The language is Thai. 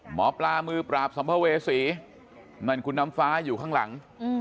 หมอปลามือปราบสัมภเวษีนั่นคุณน้ำฟ้าอยู่ข้างหลัง